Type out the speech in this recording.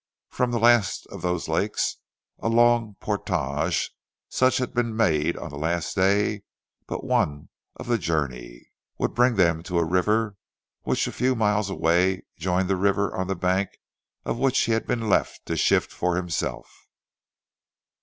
From the last of those lakes a long portage, such as had been made on the last day but one of the journey, would bring them to a river which a few miles away joined the river on the bank of which he had been left to shift for himself.